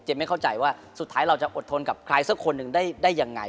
ไม่เข้าใจว่าสุดท้ายเราจะอดทนกับใครสักคนหนึ่งได้ยังไง